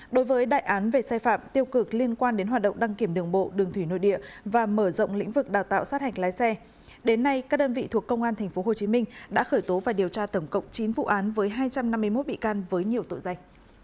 đối với đại án về sai phạm tiêu cực liên quan đến hoạt động đăng kiểm đường bộ đường thủy nội địa và mở rộng lĩnh vực đào tạo sát hạch lái xe đến nay các đơn vị thuộc công an tp hcm đã khởi tố và điều tra tổng cộng chín vụ án với hai trăm năm mươi một bị can với nhiều tội danh